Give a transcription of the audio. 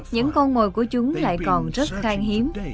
những con mồi của chúng lại còn rất khang hiếm